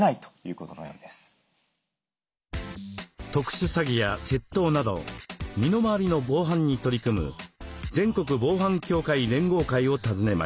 特殊詐欺や窃盗など身の回りの防犯に取り組む「全国防犯協会連合会」を訪ねました。